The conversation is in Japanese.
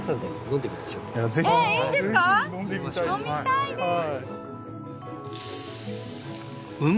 飲みたいです！